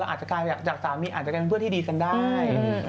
เราอาจจากสามีจะได้ส่วนชื่นที่ดีกันได้